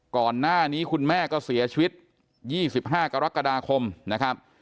ก่อนหน้านี้คุณแม่ก็เสียชีวิต๒๕กรกฎาคมนะครับ